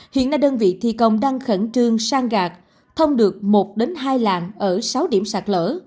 hiện nay đơn vị thi công đang khẩn trương sang gạt thông được một hai lạng ở sáu điểm sạt lỡ